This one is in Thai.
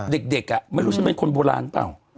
เด็กอ่ะไม่รู้ฉันเป็นคนโบราณป่าว